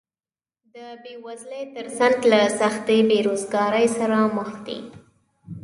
د بېوزلۍ تر څنګ له سختې بېروزګارۍ سره مخ دي